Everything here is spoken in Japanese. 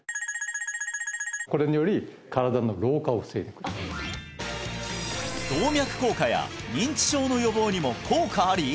これが動脈硬化や認知症の予防にも効果あり？